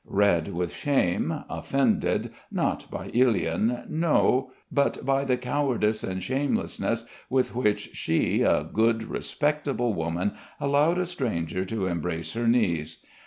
Red with shame, offended, not by Ilyin, no I but by the cowardice and shamelessness with which she, a good, respectable woman allowed a stranger to embrace her knees.